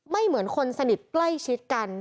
เหมือนคนสนิทใกล้ชิดกัน